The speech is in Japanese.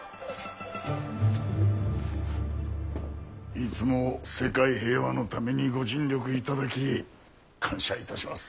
いつも世界平和のためにご尽力いただき感謝いたします。